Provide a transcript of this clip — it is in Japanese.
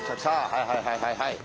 はいはいはいはいはい。